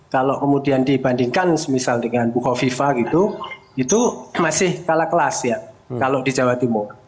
kalau kemudian dibandingkan misal dengan buko viva gitu itu masih kalah kelas ya kalau di jawa timur